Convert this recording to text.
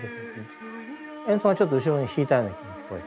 演奏がちょっと後ろに引いたように聞こえて。